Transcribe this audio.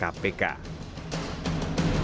wajibkah kpk mematuhi rekomendasi yang diperlukan